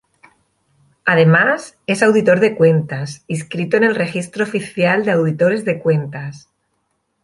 Además, es auditor de cuentas inscrito en el Registro Oficial de Auditores de Cuentas.